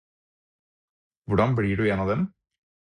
Hvordan blir du en av dem?